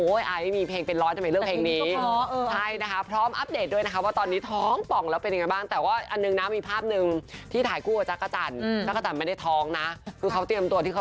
โอ้วไม่มีเพลงเป็นร้อนทำไมเริ่มเพลงนี้แต่เค้าก็เพราะ